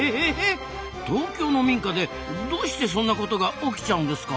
東京の民家でどうしてそんなことが起きちゃうんですか？